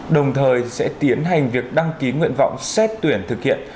đồng thời sẽ tiến hành việc đăng ký nguyện vọng xét tuyển thực hiện